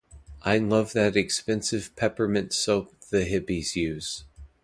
I love that expensive peppermint soap the hippies use.